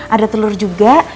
ada telur juga